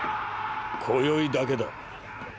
今宵だけだ。